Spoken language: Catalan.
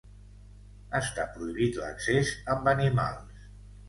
Està prohibit l'accés amb animals.